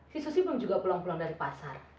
si susi belum juga pulang pulang dari pasar